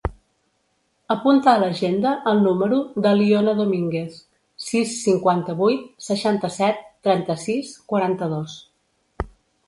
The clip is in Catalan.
Apunta a l'agenda el número de l'Iona Dominguez: sis, cinquanta-vuit, seixanta-set, trenta-sis, quaranta-dos.